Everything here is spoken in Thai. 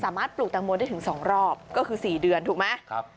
สามารถปลูกแตงโมได้ถึงสองรอบก็คือสี่เดือนถูกไหมครับ